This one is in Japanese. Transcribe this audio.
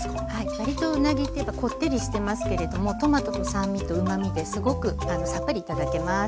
わりとうなぎってやっぱこってりしてますけれどもトマトと酸味とうまみですごくさっぱり頂けます。